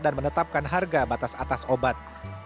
dan menetapkan harga batas atas obat